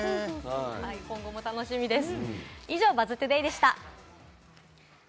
今後も楽しみです。